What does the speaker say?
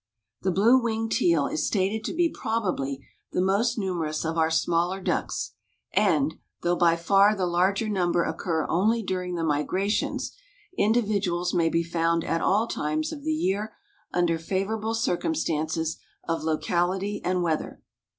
The blue winged teal is stated to be probably the most numerous of our smaller ducks, and, though by far the larger number occur only during the migrations, individuals may be found at all times of the year under favorable circumstances of locality and weather.